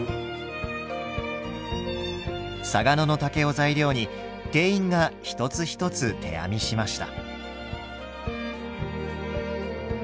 嵯峨野の竹を材料に店員が一つ一つ手編みしました。